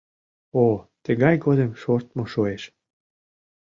О, тыгай годым шортмо шуэш!